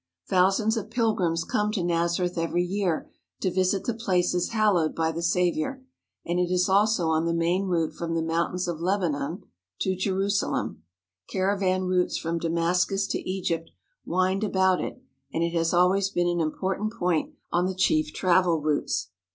Thousands of pilgrims come to Nazareth every year to visit the places hallowed by the Saviour, and it is also on the main route from the mountains of Lebanon to Je rusalem. Caravan routes from Damascus to Egypt wind about it, and it has always been an important point on the chief travel routes.